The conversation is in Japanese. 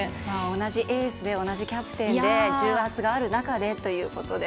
同じエースで同じキャプテンで重圧がある中でということで。